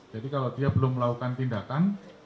jadi kalau dia belum melakukan tindakan